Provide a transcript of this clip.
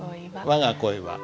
「わが恋は」。